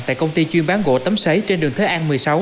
tại công ty chuyên bán gỗ tấm sấy trên đường thế an một mươi sáu